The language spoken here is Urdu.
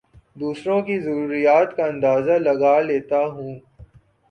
دوسروں کی ضروریات کا اندازہ لگا لیتا ہوں